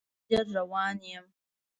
زه ژر روان یم